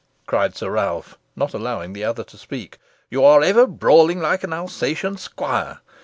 cried Sir Ralph, not allowing the other to speak. "You are ever brawling like an Alsatian squire.